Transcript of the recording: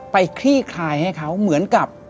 คลี่คลายให้เขาเหมือนกับ